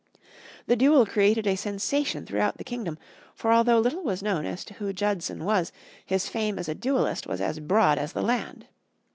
The duel created a sensation throughout the kingdom, for although little was known as to who Judson was, his fame as a duelist was as broad as the land.